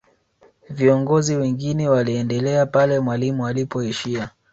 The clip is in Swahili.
viongozi wengine waliendelea pale mwalimu alipoishia